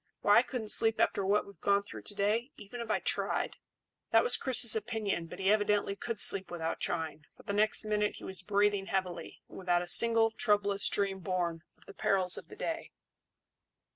Why, I couldn't sleep after what we've gone through to day, even if I tried." That was Chris's opinion, but he evidently could sleep without trying, for the next minute he was breathing heavily, and without a single troublous dream born of the perils of the day.